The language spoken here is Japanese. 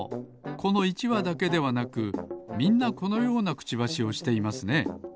この１わだけではなくみんなこのようなクチバシをしていますね。